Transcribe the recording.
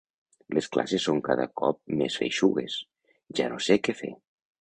Les classes són cada cop més feixugues, ja no sé què fer.